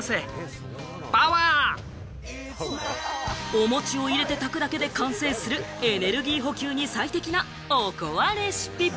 お餅を入れて炊くだけで完成するエネルギー補給にも最適な、おこわレシピ。